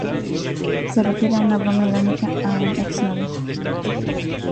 Se refiere con una broma irónica a un ex novio.